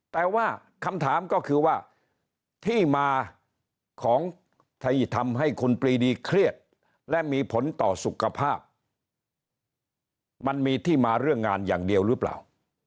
แต่ว่าคำถามก็คือว่าที่มาของที่ทำให้คุณปรีดีเครียดและมีผลต่อสุขภาพมันมีที่มาเรื่องงานอย่างเดียวหรือเปล่า